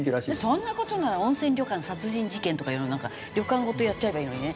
そんな事なら「温泉旅館殺人事件」とかいろいろなんか旅館ごとやっちゃえばいいのにね